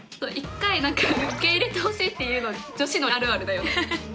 １回受け入れてほしいっていうの女子のあるあるだよね。